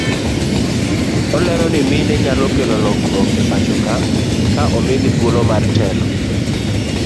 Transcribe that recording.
Olero ni mine nyalo kelo lokruok e pachoka ka omigi thuolo mar telo.